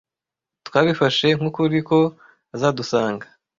Twabifashe nk'ukuri ko azadusanga.